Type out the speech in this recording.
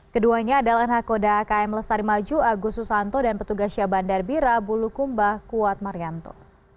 keduanya adalah anak koda km lestari maju agus susanto dan petugasnya bandar bira bulu kumbah kuat marianto